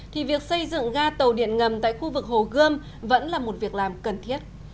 thì việc xây dựng ga tàu điện ngầm tại khu vực hồ gươm vẫn là một việc làm cần thiết